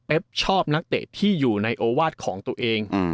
ชอบนักเตะที่อยู่ในโอวาสของตัวเอง